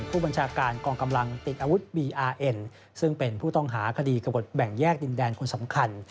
ผู้บัญชาการกองกำลังติดอาวุธบีอาร์เอ็นซึ่งเป็นผู้ต้องหาคดีกระบดแบ่งแยกดินแดนคนสำคัญ